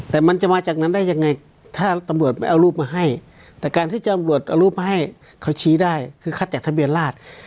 แต่มันจะมาจากนั้นได้ยังไงถ้าตำรวจไม่เอารูปมาให้แต่การที่จำรวจเอารูปมาให้เขาชี้ได้คือคัดจากทะเบียนราช